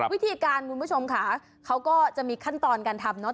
วิธีการคุณผู้ชมค่ะเขาก็จะมีขั้นตอนการทำเนอะ